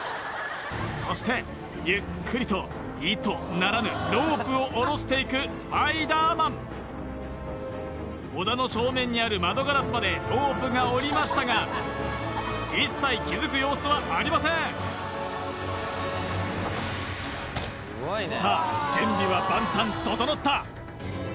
そしてゆっくりと糸ならぬロープを下ろしていくスパイダーマン小田の正面にある窓ガラスまでロープが下りましたが一切気づく様子はありませんさあ準備は万端整った